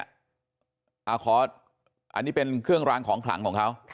อันนี้เป็นเครื่องรางของขลังของเขา